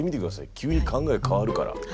急に考え変わるから。